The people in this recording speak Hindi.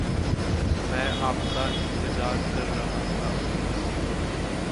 मैं आपका इंतज़ार कर रहा था